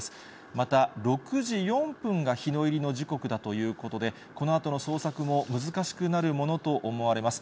また、６時４分が日の入りの時刻だということで、このあとの捜索も難しくなるものと思われます。